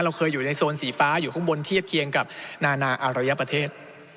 เคยอยู่ในโซนสีฟ้าอยู่ข้างบนเทียบเคียงกับนานาอารยประเทศ